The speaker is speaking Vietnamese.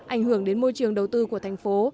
ảnh hưởng đến môi trường đầu tư của thành phố